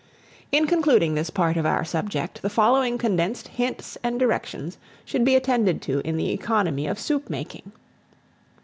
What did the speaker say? In concluding this part of our subject, the following condensed hints and directions should be attended to in the economy of soup making: I.